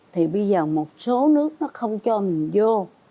thì bây giờ một số nước nó không cho mình vô